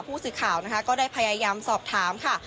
ผู้สื่อข่าวนะคะก็ได้พยายามสอบถามค่ะ